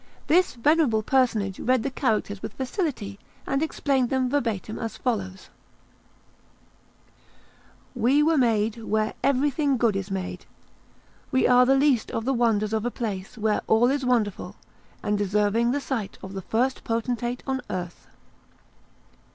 This venerable personage read the characters with facility, and explained them verbatim as follows: "We were made where everything good is made; we are the least of the wonders of a place where all is wonderful, and deserving the sight of the first potentate on earth."